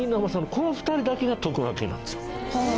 この２人だけが徳川系なんですよ。